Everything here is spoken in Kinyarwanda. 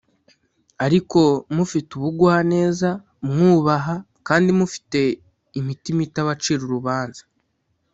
ariko mufite ubugwaneza, mwubaha, kandi mufite imitima itabacira urubanza,